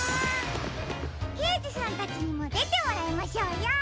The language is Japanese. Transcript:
けいじさんたちにもでてもらいましょうよ。